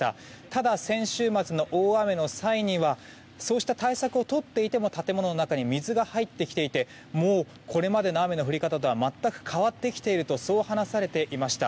ただ、先週末の大雨の際にはそうした対策をとっていても建物の中に水が入ってきていてもう、これまでの雨の降り方とは全く変わってきているとそう話されていました。